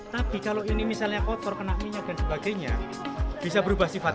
tapi kalau ini misalnya kotor kena minyak dan sebagainya bisa berubah sifatnya